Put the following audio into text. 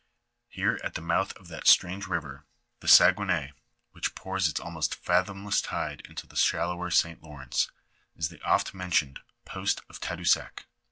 Here at the mouth of that strange river, the Saguenay, which pours its almost fathomless tide into the shallower St. Lawrence, is the oft mentioned post of Tadoussac.